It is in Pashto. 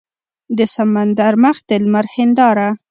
د سمندر مخ د لمر هینداره